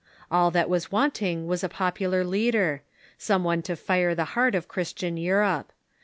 All that was wanting was a popular leader — some one to fire the heart of Christian Europe.